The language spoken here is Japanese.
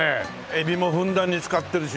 エビもふんだんに使ってるしね。